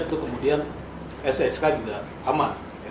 itu kemudian ssk juga aman